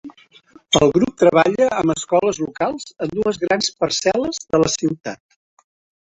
El grup treballa amb escoles locals en dues grans parcel·les de la ciutat.